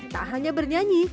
tak hanya bernyanyi